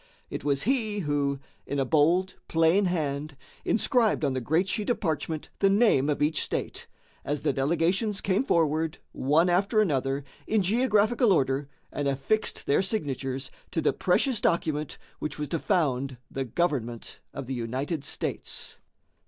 It was he who, in a bold, plain hand, inscribed on the great sheet of parchment the name of each state, as the delegations came forward, one after another, in geographical order and affixed their signatures to the precious document which was to found the government of the United States.